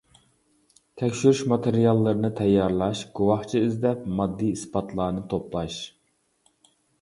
تەكشۈرۈش ماتېرىياللىرىنى تەييارلاش، گۇۋاھچى ئىزدەپ ماددىي ئىسپاتلارنى توپلاش.